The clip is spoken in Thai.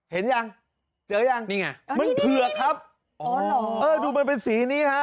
เห็นยังเจอยังนี่ไงมันเผือกครับอ๋อเหรอเออดูมันเป็นสีนี้ฮะ